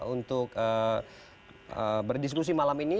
untuk berdiskusi malam ini